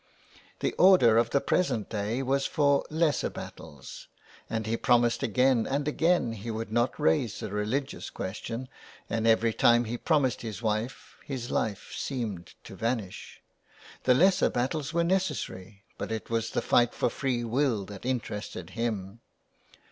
The order of the present day was for lesser battles, and he promised again and again he would not raise the religious question, and every time he promised his wife his life seemed to vanish. The lesser battles were necessary, but it was the fight for free will that interested him.